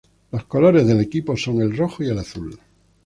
Los colores del equipo son el rojo y el azul.